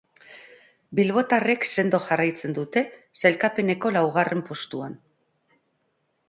Bilbotarrek sendo jarraitzen dute sailkapeneko laugarren postuan.